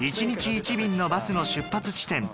１日１便のバスの出発地点